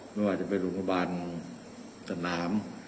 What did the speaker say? ไม่ว่าจะเป็นโรงพยาบาลสนาม